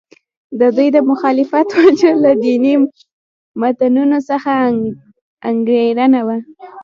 د دوی د مخالفت وجه له دیني متنونو څخه انګېرنه وه.